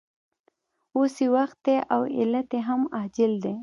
اوس یې وخت دی او علت یې هم عاجل دی